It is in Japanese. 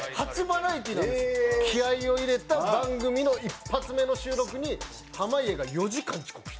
気合を入れた番組の一発目の収録に濱家が４時間遅刻した。